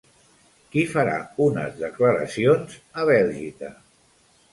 Qui farà unes declaracions a Bèlgica?